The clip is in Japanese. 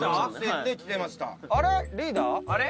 あれ？